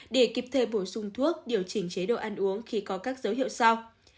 để kịp thời bổ sung thuốc điều chỉnh chế độ ăn uống khi có các dấu hiệu sau